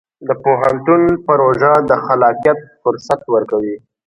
د پوهنتون پروژه د خلاقیت فرصت ورکوي.